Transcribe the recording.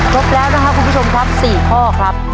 ครบแล้วนะครับคุณผู้ชมครับ๔ข้อครับ